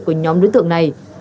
của nhóm đối tượng này